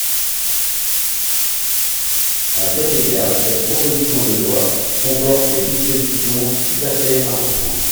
À cet égard, cette proposition de loi comporte des dispositions tout à fait importantes.